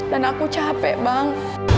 dan aku capek bang